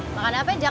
makan apa jak